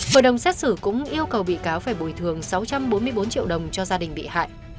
hội đồng xét xử cũng yêu cầu bị cáo phải bồi thường sáu trăm bốn mươi bốn triệu đồng cho gia đình bị hại